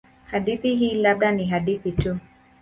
Hadithi hii labda ni hadithi tu.